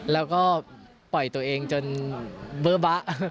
แล้วก็ปล่อยตัวเองจนเบอร์บ๊ะ